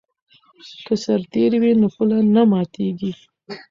که سرتیری وي نو پوله نه ماتیږي.